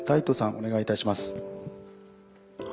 お願いいたします。